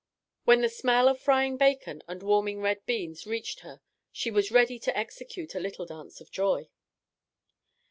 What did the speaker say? When the smell of frying bacon and warming red beans reached her she was ready to execute a little dance of joy.